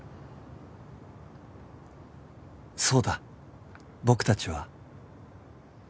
そうだ僕たちは